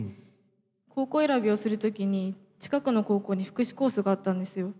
高校選びをする時に近くの高校に福祉コースがあったんですよ。